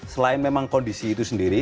selain memang kondisi itu sendiri